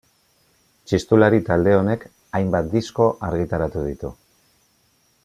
Txistulari Talde honek hainbat disko argitaratu ditu.